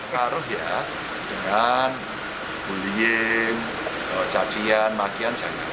karena ya dengan bulim cacian makian jalan